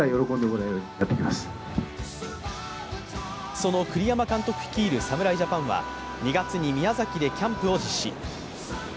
その栗山監督率いる侍ジャパンは２月に宮崎でキャンプを実施。